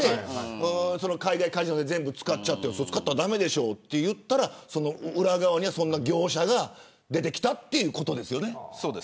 海外カジノで全部使って使ったら駄目でしょうと言ったら裏側には業者が出てきたということですよね。